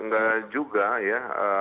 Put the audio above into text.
gak juga ya